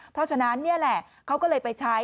เพราะฉะนั้นเขาก็เลยไปใช้